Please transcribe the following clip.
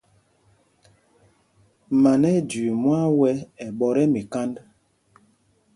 Man ɛ ́ɛ́ jüii mwán wɛ́ ɛ ɓɔ̌t ɛ́ mikānd.